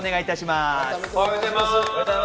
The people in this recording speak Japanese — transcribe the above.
おはようございます。